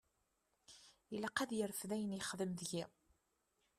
Ilaq ad yerfed ayen yexdem deg-i.